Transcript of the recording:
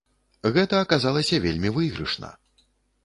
Гэта аказалася вельмі выйгрышна.